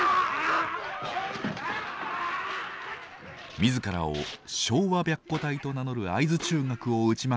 自らを「昭和白虎隊」と名乗る会津中学を打ち負かす喜多方中学。